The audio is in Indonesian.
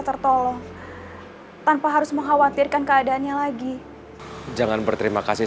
tertolong tanpa harus mengkhawatirkan keadaannya lagi jangan berterima kasih